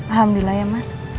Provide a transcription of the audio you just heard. alhamdulillah ya mas